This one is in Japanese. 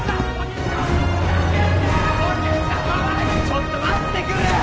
・ちょっと待ってくれよ！